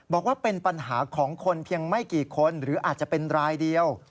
บอกว่าเป็นปัญหาของคนเพียงไม่กี่คนหรืออาจจะเป็นรายเดียว